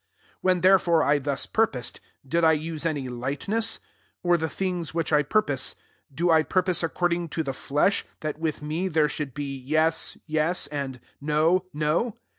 17 When therefore I thus purposed, did I use any light ness ? or the things which I purpose, do I purpose accord ing to the flesh, that with me there should be yes, yes, and no, no